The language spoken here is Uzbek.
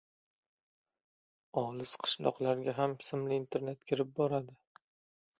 Olis qishloqlarga ham simli internet kirib boradi